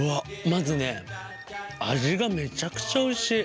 まずね味がめちゃくちゃおいしい。